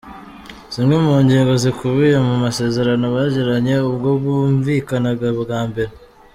Zimwe mu ngingo zikubiye mu masezerano bagiranye ubwo bumvikanaga bwa mbere.